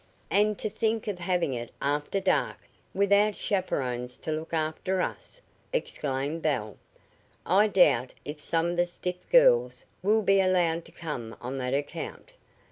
"And to think of having it after dark, without chaperons to look after us!" exclaimed Belle. "I doubt if some of the stiff girls will be allowed to come on that account."